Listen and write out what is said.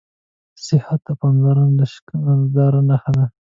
صحت ته پاملرنه د شکرګذارۍ نښه ده